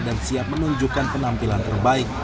dan siap menunjukkan penampilan terbaik